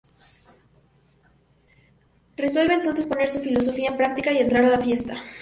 Resuelve entonces poner su filosofía en práctica y entra a la fiesta.